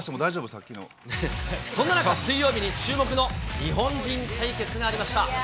そんな中、水曜日に注目の日本人対決がありました。